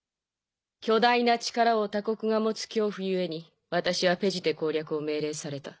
巨大な力を他国が持つ恐怖ゆえに私はペジテ攻略を命令された。